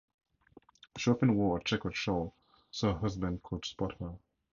She often wore a checkered shawl so her husband could spot her.